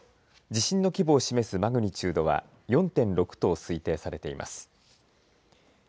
地震の規模を示すマグニチュードは４．６と推定されています。